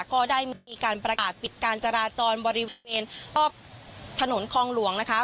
ก็ได้มีการประกาศปิดการจราจรบริเวณรอบถนนคลองหลวงนะคะ